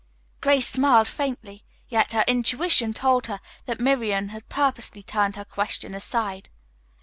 Grace smiled faintly, yet her intuition told her that Miriam had purposely turned her question aside.